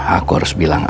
aku harus bilang